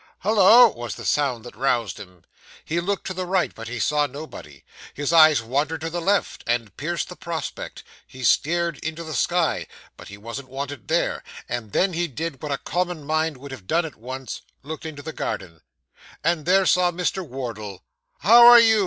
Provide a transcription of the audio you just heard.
'Hollo!' was the sound that roused him. He looked to the right, but he saw nobody; his eyes wandered to the left, and pierced the prospect; he stared into the sky, but he wasn't wanted there; and then he did what a common mind would have done at once looked into the garden, and there saw Mr. Wardle. 'How are you?